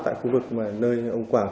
tại khu vực nơi ông quảng